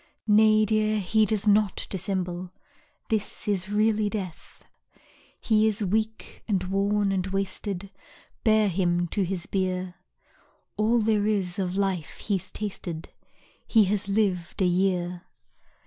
Nay, dear, he does not dissemble, This is really Death. He is weak, and worn, and wasted, Bear him to his bier. All there is of life he's tasted He has lived a year.